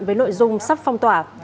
với nội dung sắp phong tỏa